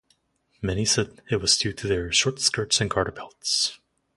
Many said it was due to their short skirts and garter belts.